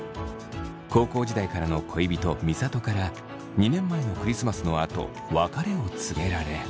高校時代からの恋人美里から２年前のクリスマスのあと別れを告げられ。